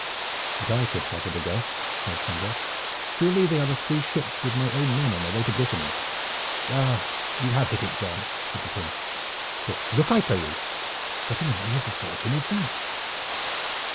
"But I could hazard a guess!" cried Chandos. "Surely they are the three ships with my own men on their way to Brittany." "You have hit it, John," said the King. "But look, I pray you! What in the name of the Virgin is that?"